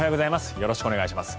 よろしくお願いします。